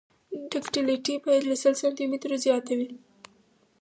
ډکټیلیټي باید له سل سانتي مترو زیاته وي